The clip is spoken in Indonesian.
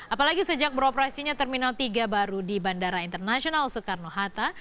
apalagi sejak beroperasinya terminal tiga baru di bandara internasional soekarno hatta